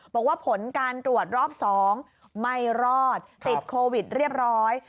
บอกว่าผลการตรวจรอบ๒ไม่รอดติดโควิดเรียบร้อย